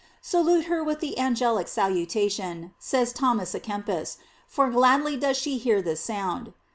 Salute her with the angelical salutation, says Thomas a Kempis, for gladly does she hear this sound.